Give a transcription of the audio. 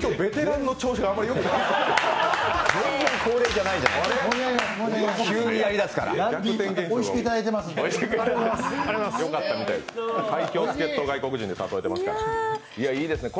今日、ベテランの調子があまりよくないですね。